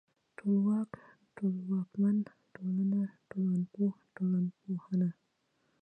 ټولواک ، ټولواکمن، ټولنه، ټولنپوه، ټولنپوهنه